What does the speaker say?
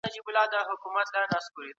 ایا ځايي کروندګر انځر پروسس کوي؟